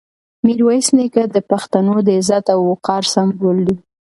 میرویس نیکه د پښتنو د عزت او وقار سمبول دی.